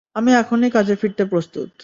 আমি এখনই কাজে ফিরতে প্রস্তুত।